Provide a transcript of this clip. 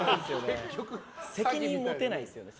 責任持てないですよね